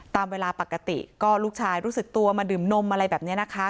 ตามเวลาปกติก็ลูกชายรู้สึกตัวมาดื่มนมอะไรแบบนี้นะคะ